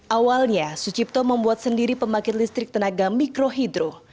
awalnya sucipto membuat sendiri pembangkit listrik tenaga mikrohidro